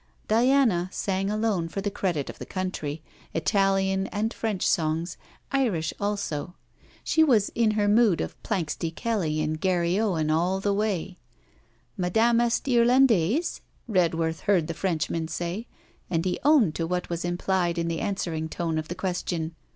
Diana sang alone for the credit of the country, Italian and French songs, Irish also. She was in her mood of Planxty Kelly and Garryowen all the way. 'Madame est Irlandaise?' Redworth heard the Frenchman say, and he owned to what was implied in the answering tone of the question.